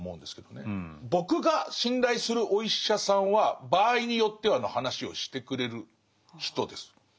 僕が信頼するお医者さんは場合によってはの話をしてくれる人です。